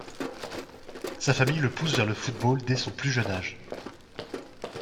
Sa famille le pousse vers le football dès son plus jeune âge.